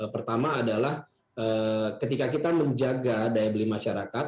pertama adalah ketika kita menjaga daya beli masyarakat